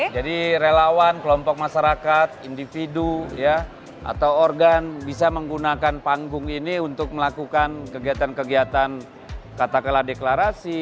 jadi relawan kelompok masyarakat individu ya atau organ bisa menggunakan panggung ini untuk melakukan kegiatan kegiatan kata kata deklarasi